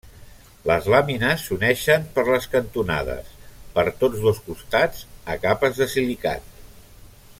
Les làmines s'uneixen per les cantonades, per tots dos costats, a capes de silicat.